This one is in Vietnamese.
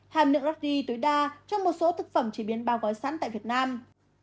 hàm lượng nắc ri tối đa trong một số thực phẩm chế biến bao gói sẵn tại việt nam